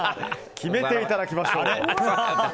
決めていただきましょう。